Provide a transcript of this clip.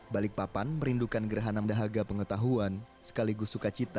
balikpapan merindukan gerhana mendahaga pengetahuan sekaligus sukacita